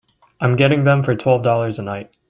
I'm getting them for twelve dollars a night.